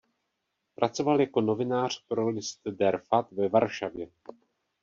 Pracoval jako novinář pro list "Der Vad" ve Varšavě.